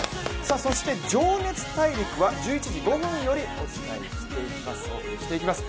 そして「情熱大陸」は１１時５分よりお送りしていきます。